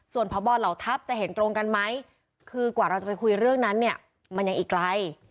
ส่วนพบเหล่าทัพจะเห็นตรงกันไหมคือกว่าเราจะไปคุยเรื่องนั้นเนี่ยมันยังอีกไกล